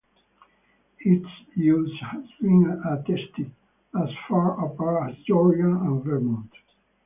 Its use has been attested as far apart as Georgia and Vermont.